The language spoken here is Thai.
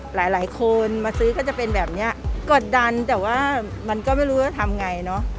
หลายคนมาซื้อก็จะเป็นแบบเนี้ยกดดันแต่ว่ามันก็ไม่รู้ว่าทำไงเนอะ